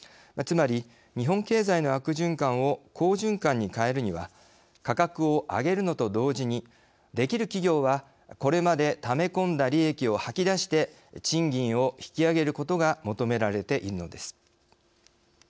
つまり、日本経済の悪循環を好循環に変えるには価格を上げるのと同時にできる企業はこれまでため込んだ利益を吐き出して賃金を引き上げることが求められているのです。